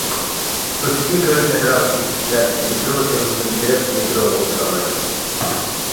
ئۆتۈشمە كۆۋرۈك ئەتراپىدىكى كىشىلەر مېترو ئېغىزىدىن كىرىپ مېتروغا ئولتۇرالايدۇ.